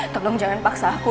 tolong jangan paksa aku